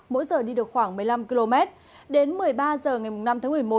mỗi giờ đi được khoảng một mươi năm km đến một mươi ba h ngày năm tháng một mươi một